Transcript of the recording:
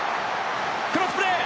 クロスプレー。